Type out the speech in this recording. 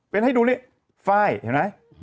เป็นให้ดูนี่ไฟล์เห็นไหม